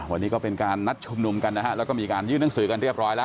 วันนี้ก็เป็นการนัดชุมนุมกันนะฮะแล้วก็มีการยื่นหนังสือกันเรียบร้อยแล้ว